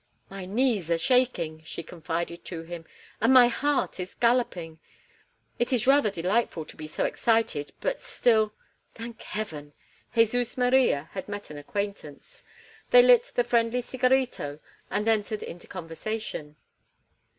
"My knees are shaking," she confided to him, "and my heart is galloping. It is rather delightful to be so excited, but still—thank Heaven!" Jesus Maria had met an acquaintance. They lit the friendly cigarito and entered into conversation.